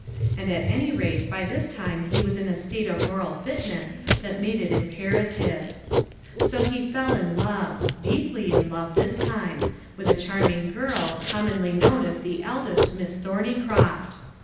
And at any rate by this time he was in a state of moral fitness that made it imperative. So he fell in love deeply in love this time with a charming girl, commonly known as the eldest Miss Thorneycroft.